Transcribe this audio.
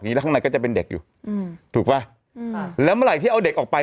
แล้วข้างในก็จะเป็นเด็กอยู่อืมถูกป่ะอืมแล้วเมื่อไหร่ที่เอาเด็กออกไป